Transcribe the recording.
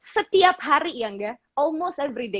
setiap hari ya angga almost everyday